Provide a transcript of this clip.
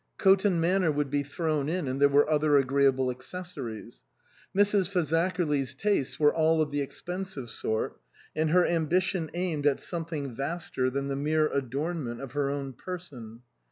Coton Manor would be thrown in, and there were other agreeable accessories. Mrs. Fazakerly's tastes were all of the expensive sort, and her ambition aimed at something vaster than the mere adornment of her own person.